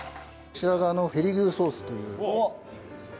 こちらがペリグーソースという。